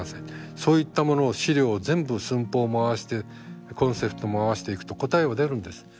そういったものを資料を全部寸法も合わせてコンセプトも合わせていくと答えは出るんです。